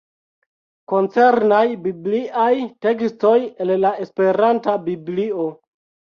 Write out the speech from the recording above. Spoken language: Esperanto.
Koncernaj bibliaj tekstoj el la esperanta Biblio.